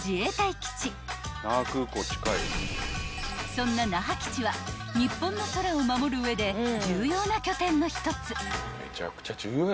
［そんな那覇基地は日本の空を守る上で重要な拠点の１つ］